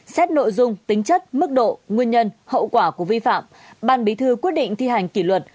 xét nội dung tính chất mức độ nguyên nhân hậu quả của vi phạm ban bí thư quyết định thi hành kỷ luật